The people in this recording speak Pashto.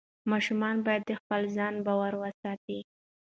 ماشوم باید د خپل ځان باور وساتي.